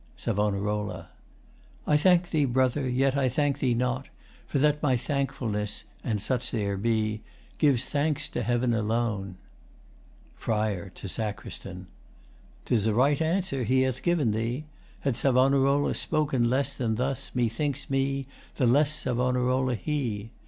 SAV. I thank thee, Brother, yet I thank thee not, for that my thankfulness (An such there be) gives thanks to Heaven alone. FRI. [To SACR.] 'Tis a right answer he hath given thee. Had Sav'narola spoken less than thus, Methinks me, the less Sav'narola he.